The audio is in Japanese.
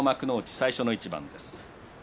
最初の一番です。